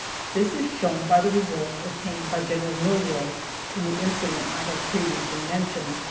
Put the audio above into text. This is shown by the result attained by Gen. Milroy in the incident I have previously mentioned.